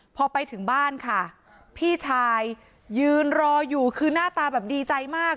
พอไปถึงบ้านค่ะพี่ชายยืนรออยู่คือหน้าตาแบบดีใจมาก